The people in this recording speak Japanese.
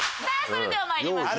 それではまいります